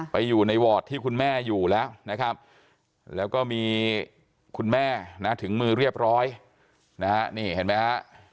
ไปอยู่ในวอร์ดที่คุณแม่อยู่แล้วนะครับแล้วก็มีคุณแม่นะถึงมือเรียบร้อยนะฮะนี่เห็นไหมฮะ